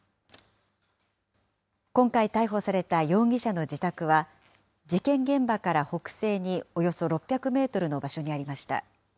今回逮捕された容疑者の自宅は、事件現場から北西におよそ６００メートルの場所にありました。